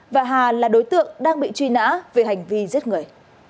và hà là đối tượng đang bị truy nã về hành vi giết người